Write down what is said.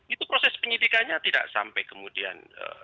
itu proses penyidikannya tidak sampai kemudian